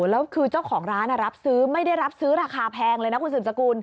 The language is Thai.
แล้วคือเจ้าของร้านรับซื้อไม่ได้รับซื้อราคาแพงเลยนะคุณสืบสกุล